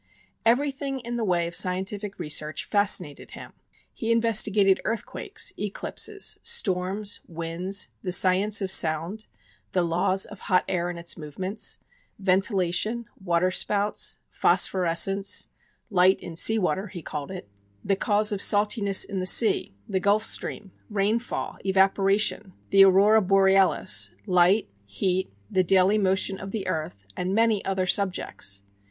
Everything in the way of scientific research fascinated him: he investigated earthquakes, eclipses, storms, winds, the science of sound, the laws of hot air and its movements, ventilation, water spouts, phosphorescence ("light in sea water," he called it), the cause of saltiness in the sea, the Gulf Stream, rainfall, evaporation, the aurora borealis, light, heat, the daily motion of the earth, and many other subjects.